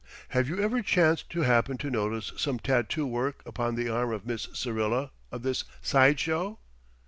Have you ever chanced to happen to notice some tattoo work upon the arm of Miss Syrilla of this side show?"